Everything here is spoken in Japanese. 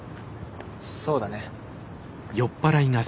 そうだね。